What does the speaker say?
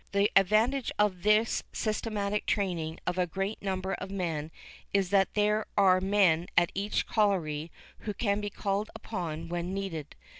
The advantage of this systematic training of a great number of men is that there are men at each colliery who can be called upon when needed.